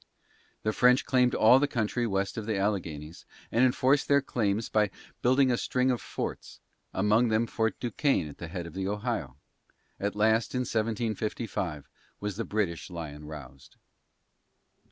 The French claimed all the country west of the Alleghanies and enforced their claims by building a string of forts, among them Fort Duquesne at the head of the Ohio. At last, in 1755, was "the British Lyon roused."